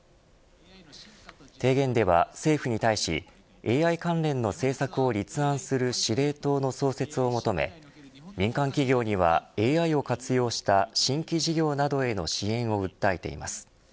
提言では政府に対しＡＩ関連の政策を立案する司令塔の創設を求め民間企業には、ＡＩを活用した新規事業などへの支援を訴えています。